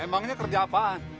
emangnya kerja apaan